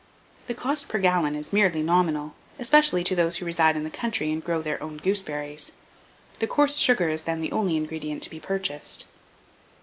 The cost per gallon is merely nominal, especially to those who reside in the country and grow their own gooseberries; the coarse sugar is then the only ingredient to be purchased.